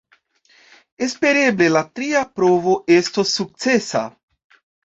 Espereble la tria provo estos sukcesa.